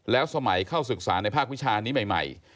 แล้วสมัยเข้าศึกษาในภาควิชานี้ใหม่